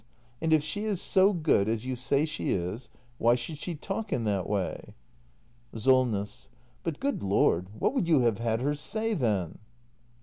And if she is so good — as you say she is — why should she talk in that way ? SOLNESS. But, good Lord, what would you have had her say, then?